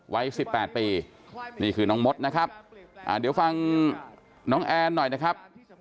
วัย๑๘ปีนี่คือน้องมดนะครับเดี๋ยวฟังน้องแอนหน่อยนะครับ